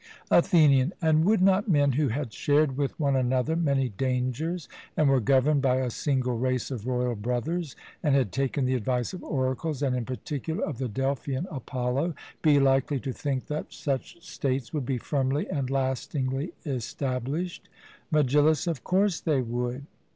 ATHENIAN: And would not men who had shared with one another many dangers, and were governed by a single race of royal brothers, and had taken the advice of oracles, and in particular of the Delphian Apollo, be likely to think that such states would be firmly and lastingly established? MEGILLUS: Of course they would.